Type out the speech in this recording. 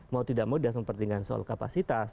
mau tidak mau dia harus mempertimbangkan soal kapasitas